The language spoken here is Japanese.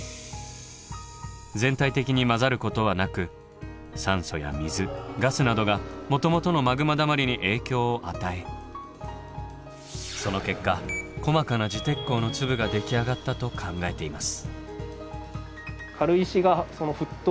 全体的に混ざることはなく酸素や水ガスなどがもともとのマグマだまりに影響を与えその結果細かな磁鉄鉱の粒ができ上がったと考えています。